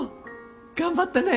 頑張ってね